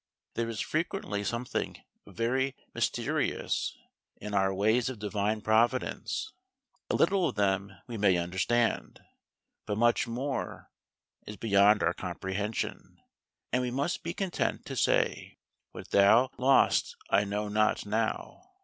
There is frequently something very mysterious in y^e ways of Divine Providence A little of them we may understand; but much more, is beyond our comprehension And we must be content to say, "What thou dost I know not now.